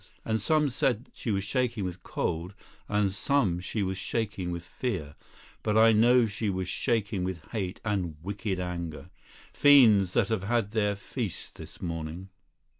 And some said she was shaking with cold and some she was shaking with fear, but I know she was shaking with hate and wicked anger fiends that have had their feast this morning.